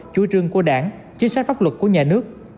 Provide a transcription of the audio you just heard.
chủ trương của đảng chính sách pháp luật của nhà nước